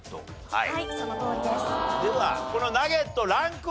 はい。